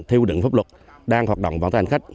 theo đựng pháp luật đang hoạt động bản thân khách